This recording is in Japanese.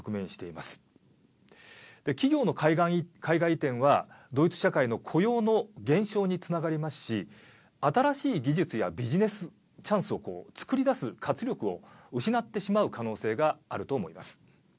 で、企業の海外移転はドイツ社会の雇用の減少につながりますし新しい技術やビジネスチャンスを作り出す活力を失ってしまう可能性があると思います。